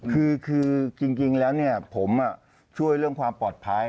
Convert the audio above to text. คือจริงแล้วผมช่วยเรื่องความปลอดภัย